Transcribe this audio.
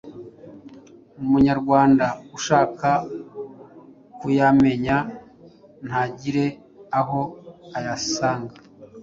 Umunyarwanda ushaka kuyamenya ntagire aho ayasanga.